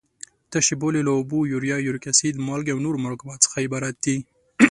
تشې بولې له اوبو، یوریا، یوریک اسید، مالګې او نورو مرکباتو څخه عبارت دي.